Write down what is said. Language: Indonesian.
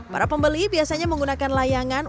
para pembeli biasanya menggunakan layangan